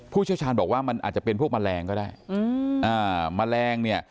เชี่ยวชาญบอกว่ามันอาจจะเป็นพวกแมลงก็ได้อืมอ่าแมลงเนี่ย